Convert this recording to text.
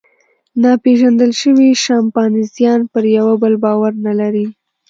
ناپېژندل شوي شامپانزیان پر یوه بل باور نهلري.